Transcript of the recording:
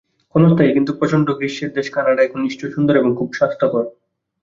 ক্ষণস্থায়ী কিন্তু প্রচণ্ড গ্রীষ্মের দেশ কানাডা এখন নিশ্চয়ই সুন্দর এবং খুব স্বাস্থ্যকর।